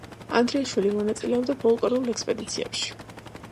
ანდრიაშვილი მონაწილეობდა ფოლკლორულ ექსპედიციებში.